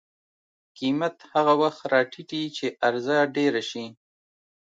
قیمت هغه وخت راټیټي چې عرضه ډېره شي.